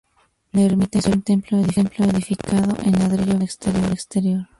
La ermita es un templo edificado en ladrillo visto al exterior.